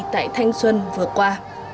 tại thanh xuân vừa qua